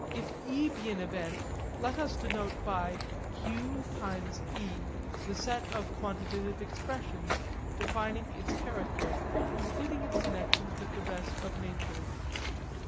If e be an event, let us denote by q(e) the set of quantitative expressions defining its character including its connexions with the rest of nature.